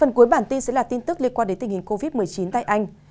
phần cuối bản tin sẽ là tin tức liên quan đến tình hình covid một mươi chín tại anh